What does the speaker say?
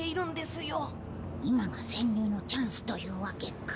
今が潜入のチャンスというわけか。